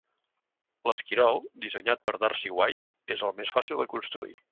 L'Esquirol, dissenyat per Darcy Whyte, és el més fàcil de construir.